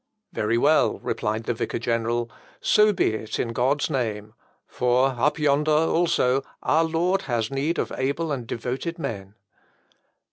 "Very well," replied the vicar general, "so be it in God's name. For up yonder, also, our Lord has need of able and devoted men."